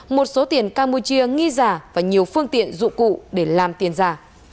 một số tiền campuchia nghi giả và nhiều phương tiện dụng cụ để làm tiền giả